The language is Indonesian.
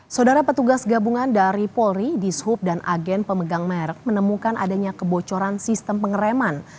saudara petugas gabungan dari polri dishub dan agen pemegang merek menemukan adanya kebocoran sistem pengereman